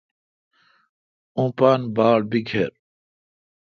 اوں پان باڑ بیکر